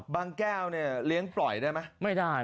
บ้างแก้วเนี่ยเลี้ยงปล่อยได้มั้ย